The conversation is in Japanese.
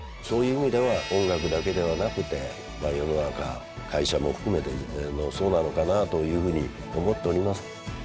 そういう意味では音楽だけではなくて世の中会社も含めてそうなのかなというふうに思っております。